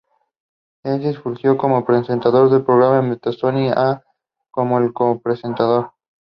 He was deployed to crush the Indonesian Communist Party.